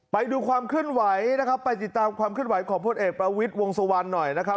ไปดูความเคลื่อนไหวนะครับไปติดตามความเคลื่อนไหวของพลเอกประวิทย์วงสุวรรณหน่อยนะครับ